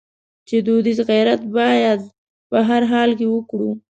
چې دودیز غیرت باید په هر حال کې وکړو.